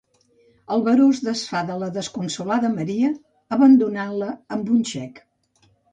El baró es desfà de la desconsolada Maria, abandonant-la amb un xec.